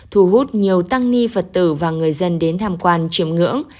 thu hút nhiều tăng ni phật tử và người dân đến tham quan chiêm ngưỡng